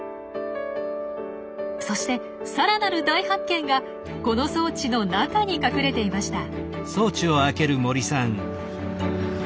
そしてさらなる大発見がこの装置の中に隠れていました。